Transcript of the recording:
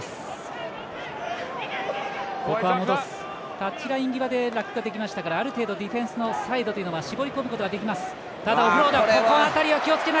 タッチライン際でラックができましたからある程度ディフェンスのサイドというのは絞り込むことができます。